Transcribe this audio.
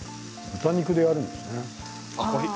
豚肉でやるんですね。